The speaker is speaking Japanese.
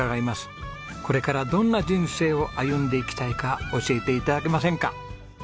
これからどんな人生を歩んでいきたいか教えて頂けませんか。